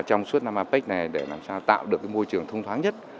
trong suốt năm apec này để làm sao tạo được môi trường thông thoáng nhất